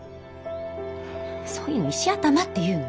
そういうの石頭って言うのよ。